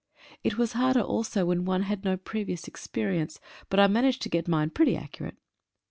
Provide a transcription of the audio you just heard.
It was harder also when one had no previous experience, but I managed to get mine pretty accurate.